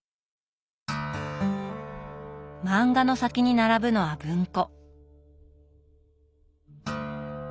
漫画の先に並ぶのは文庫。